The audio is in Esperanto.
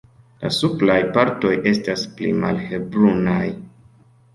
La supraj partoj estas pli malhelbrunaj.